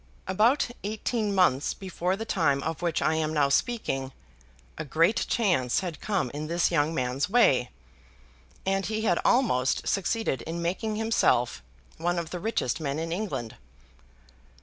About eighteen months before the time of which I am now speaking, a great chance had come in this young man's way, and he had almost succeeded in making himself one of the richest men in England.